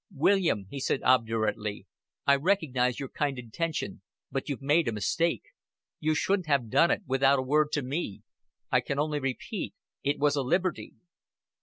"William," he said obdurately, "I recognize your kind intention but you've made a mistake. You shouldn't have done it, without a word to me. I can only repeat, it was a liberty."